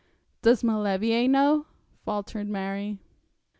'Does Maulevrier know?' faltered Mary.